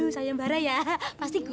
sayang barat ya pasti gue